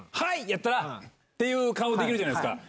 やったらうん！っていう顔できるじゃないですか。